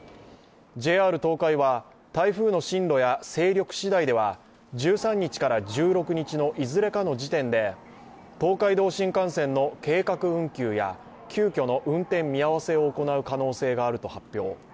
ＪＲ東海は、台風の進路や勢力しだいでは１３日から１６日のいずれかの時点で東海道新幹線の計画運休や急きょの運転見合わせを行う可能性があると発表。